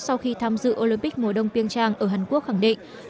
sau khi tham dự olympic mùa đông pyeongchang ở hàn quốc khẳng định